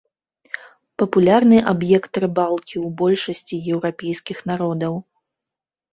Папулярны аб'ект рыбалкі ў большасці еўрапейскіх народаў.